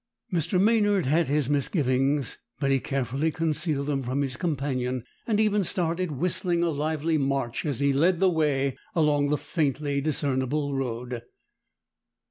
Mr. Maynard had his misgivings, but he carefully concealed them from his companion, and even started whistling a lively march as he led the way along the faintly discernible road.